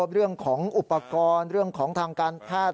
เรื่องของอุปกรณ์เรื่องของทางการแพทย์